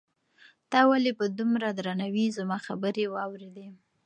تا ولې په دومره درناوي زما خبرې واورېدې؟